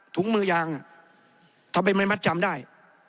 ถุงมือยางทำไมไม่มัดจำได้